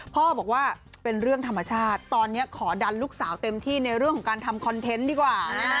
พ่อบอกว่าเป็นเรื่องธรรมชาติตอนนี้ขอดันลูกสาวเต็มที่ในเรื่องของการทำคอนเทนต์ดีกว่า